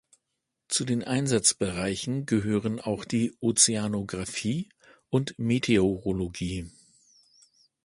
Zu den Einsatzbereichen gehören auch die Ozeanografie und Meteorologie.